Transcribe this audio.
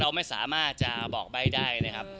เราไม่สามารถจะบอกใบ้ได้นะครับ